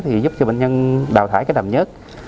thì giúp cho bệnh nhân đào thải cái đầm nhất